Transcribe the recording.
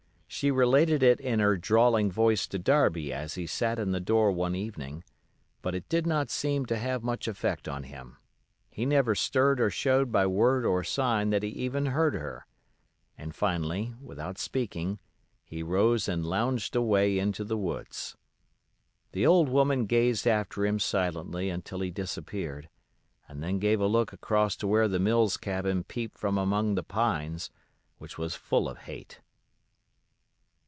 She related it in her drawling voice to Darby as he sat in the door one evening, but it did not seem to have much effect on him; he never stirred or showed by word or sign that he even heard her, and finally, without speaking, he rose and lounged away into the woods. The old woman gazed after him silently until he disappeared, and then gave a look across to where the Mills cabin peeped from among the pines, which was full of hate.